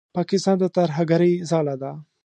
پاکستان د ترهګرۍ ځاله ده.